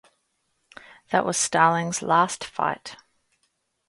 That was Starling's last fight.